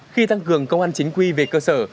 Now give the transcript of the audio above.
khi tăng cường công an chính quy về cơ sở